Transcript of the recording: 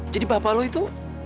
jadi bapak lo itu